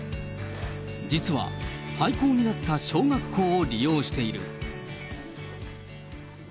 実は、廃校になった小学校を利用している。